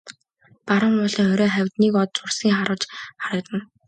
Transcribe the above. Баруун уулын орой хавьд нэг од зурсхийн харваж харагдана.